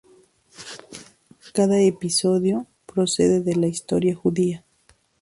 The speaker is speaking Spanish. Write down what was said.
Cada episodio procede de la historia judía.